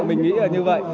mình nghĩ là như vậy